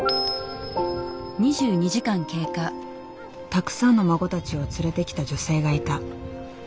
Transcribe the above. たくさんの孫たちを連れてきた女性がいた。